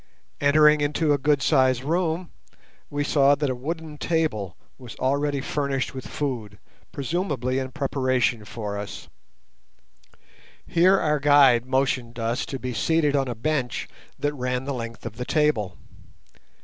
Entering into a good sized room, we saw that a wooden table was already furnished with food, presumably in preparation for us. Here our guide motioned us to be seated on a bench that ran the length of the table.